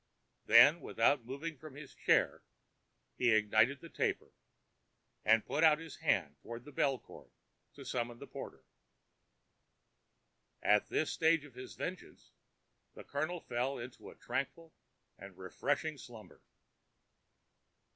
Then, without moving from his chair, he ignited the taper, and put out his hand toward the bell cord, to summon the porter. At this stage of his vengeance the Colonel fell into a tranquil and refreshing slumber.